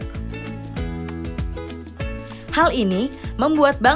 hal ini membuat bangsa bangsa yang lebih banyak memiliki uang asing